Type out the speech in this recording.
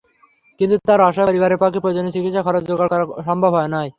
কিন্তু তাঁর অসহায় পরিবারের পক্ষে প্রয়োজনীয় চিকিৎসা খরচ জোগাড় করা সম্ভব নয়।